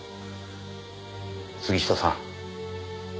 杉下さん。